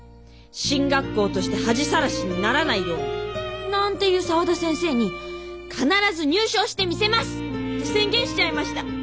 「進学校として恥さらしにならないように」なんて言う沢田先生に「必ず入賞してみせます」って宣言しちゃいました。